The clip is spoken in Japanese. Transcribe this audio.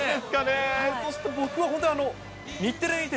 そして僕は本当、日テレにいて、